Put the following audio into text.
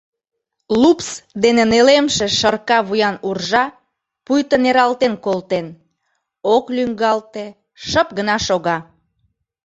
Лупс дене нелемше шырка вуян уржа пуйто нералтен колтен: ок лӱҥгалте, шып гына шога.